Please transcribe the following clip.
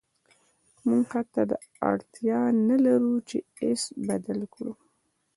موږ حتی اړتیا نلرو چې ایس بدل کړو